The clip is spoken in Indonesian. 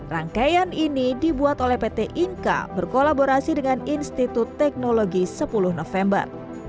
rangkaian ini dibuat oleh pt inka berkolaborasi dengan institut teknologi sepuluh november